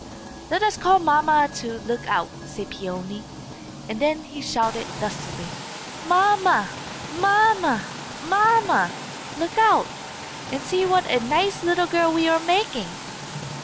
'" "Let us call mamma to look out," said Peony; and then he shouted lustily, "Mamma! mamma!! mamma!!! Look out, and see what a nice 'ittle girl we are making."